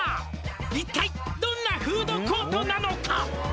「一体どんなフードコートなのか？」